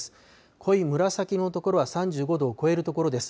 濃い紫の所は３５度を超える所です。